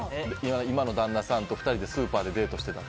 今の旦那さんと２人でスーパーでデートをしていた。